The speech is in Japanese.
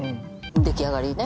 出来上がりね